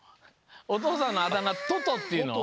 おとうさんのあだなトトっていうの？